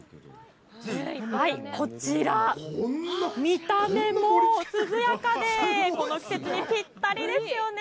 こちら、見た目も涼やかで、この季節にぴったりですよね。